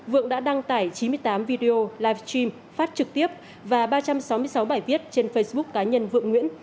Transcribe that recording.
vượng đã đăng tải chín mươi tám video live stream phát trực tiếp và ba trăm sáu mươi sáu bài viết trên facebook cá nhân vượng nguyễn